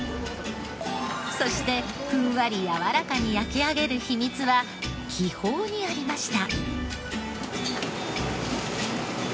そしてふんわりやわらかに焼き上げる秘密は気泡にありました。